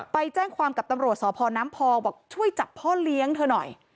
ไปแจ้งความกับตำรวจสพน้ำพองบอกช่วยจับพ่อเลี้ยงเธอหน่อย